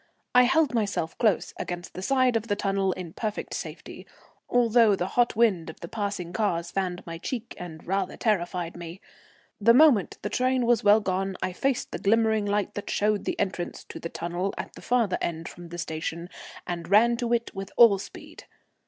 I held myself close against the side of the tunnel in perfect safety, although the hot wind of the passing cars fanned my cheek and rather terrified me. The moment the train was well gone I faced the glimmering light that showed the entrance to the tunnel at the further end from the station, and ran to it with all speed.